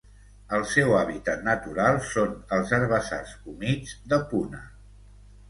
El seu hàbitat natural són els herbassars humits de Puna.